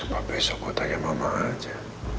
apa besok gue tanya mama aja